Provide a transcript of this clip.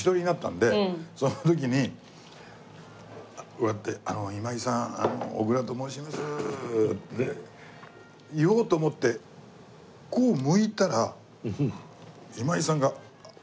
その時にこうやって「今井さん小倉と申します」って言おうと思ってこう向いたら今井さんが。